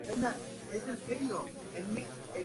Las dos subespecies tienen hojas de formas diversas.